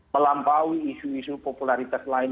melampaui isu isu popularitas lain